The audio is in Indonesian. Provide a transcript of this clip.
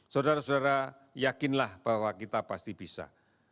saudara saudara yakinlah bahwa kita pasti bisa